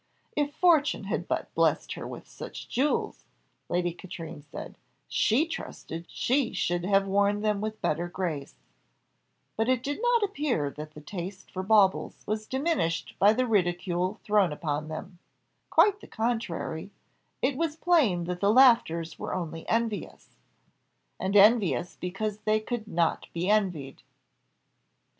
"If fortune had but blessed her with such jewels," Lady Katrine said, "she trusted she should have worn them with better grace;" but it did not appear that the taste for baubles was diminished by the ridicule thrown upon them quite the contrary, it was plain that the laughers were only envious, and envious because they could not be envied.